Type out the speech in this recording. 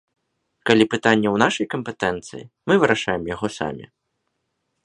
Калі пытанне ў нашай кампетэнцыі, мы вырашаем яго самі.